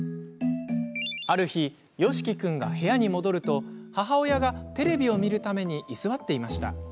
ある日、よしき君が部屋に戻ると母親がテレビを見るために居座っていました。